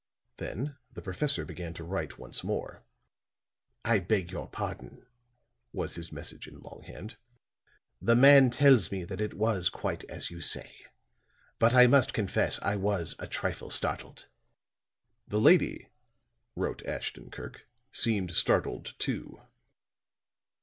Then the professor began to write once more. "I beg your pardon," was his message in long hand. "The man tells me that it was quite as you say. But I must confess I was a trifle startled." "The lady," wrote Ashton Kirk, "seemed startled, too."